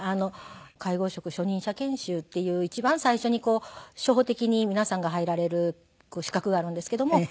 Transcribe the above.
介護職員初任者研修っていう一番最初に初歩的に皆さんが入られる資格があるんですけども。